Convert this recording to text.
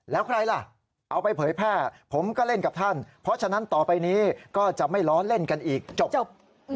แล้วใครล่ะเอาไปเผยแพร่ผมก็เล่นกับท่านเพราะฉะนั้นต่อไปนี้ก็จะไม่ล้อเล่นกันอีกจบ